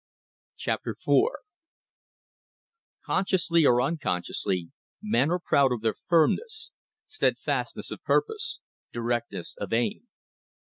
CHAPTER FOUR Consciously or unconsciously, men are proud of their firmness, steadfastness of purpose, directness of aim.